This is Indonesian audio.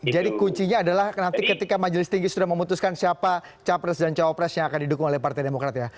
jadi kuncinya adalah nanti ketika majelis tinggi sudah memutuskan siapa capres dan capopres yang akan didukung oleh partai demokrat ya